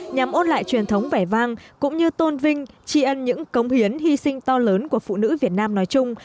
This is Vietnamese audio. nhằm ôn lại truyền thống vẻ vang cũng như tôn vinh tri ân những cống hiến hy sinh to lớn của phụ nữ việt nam nói chung